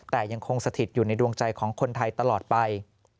แต่ยังคงสถิตอยู่ในดวงใจของคนไทยตลอดไป